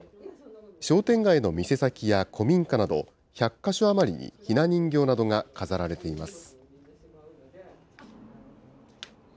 商店街の店先や古民家など、１００か所余りにひな人形などが飾られています。